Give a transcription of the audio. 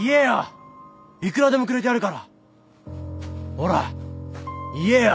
ほら言えよ！